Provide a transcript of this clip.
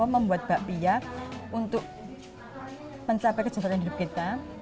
membuat bakpia untuk mencapai kesejahteraan hidup kita